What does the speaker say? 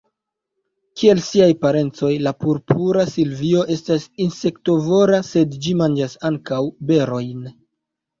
Kiel siaj parencoj, la Purpura silvio estas insektovora, sed ĝi manĝas ankaŭ berojn.